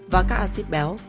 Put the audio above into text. và các acid béo